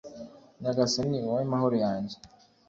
r/ nyagasani ni wowe mahoro yanjye